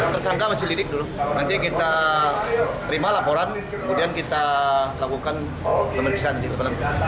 tersangka masih lidik dulu nanti kita terima laporan kemudian kita lakukan pemeriksaan gitu